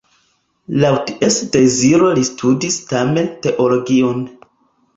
Laŭ ties deziro li studis tamen teologion.